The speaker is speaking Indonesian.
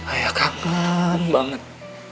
ayah kangen banget